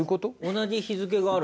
同じ日付があるね。